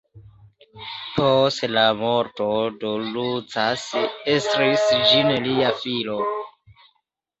Post la morto de Lucas estris ĝin lia filo.